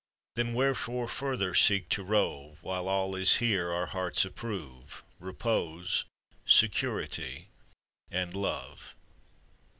Then wherefore further seek to rove, While here is all our hearts approve — Repose, security, and love?